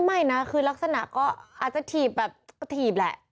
ไม่นะคือลักษณะก็อาจจะถีบแบบก็ถีบแหละ